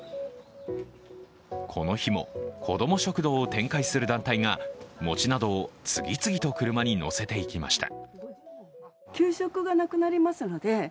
この日も、こども食堂を展開する団体が餅などを次々と車に載せていきました。